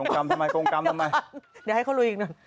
เดี๋ยวให้เขารู้อีกหน่อย